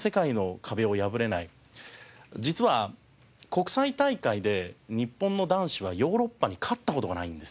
実は国際大会で日本の男子はヨーロッパに勝った事がないんですよ。